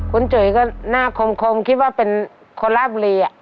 คุณจุ๋ยก็หน้าคมคิดว่าเป็นคนลาบบุรี